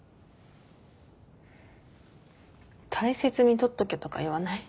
大切にとっとけとか言わない？